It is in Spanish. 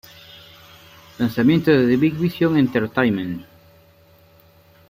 Lanzamientos de Big Vision Entertainment